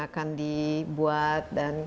akan dibuat dan